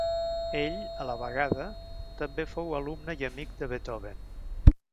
Ell, a la vegada, també fou alumne i amic de Beethoven.